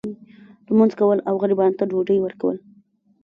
لمونځ کول او غریبانو ته ډوډۍ ورکول.